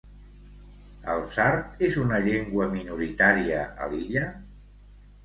El sard és una llengua minoritària a l'illa?